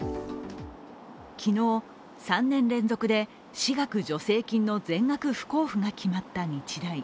昨日、３年連続で私学助成金の全額不交付が決まった日大。